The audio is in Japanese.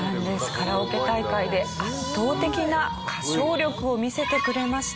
カラオケ大会で圧倒的な歌唱力を見せてくれました。